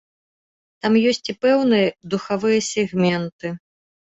Там ёсць і пэўныя духавыя сегменты.